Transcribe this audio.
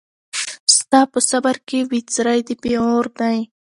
ستا په صبر کي بڅری د پېغور دی